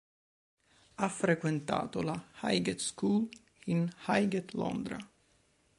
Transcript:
Ha frequentato la Highgate School in Highgate, Londra.